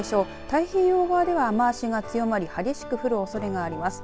太平洋側では雨足が強まり激しく降るおそれがあります。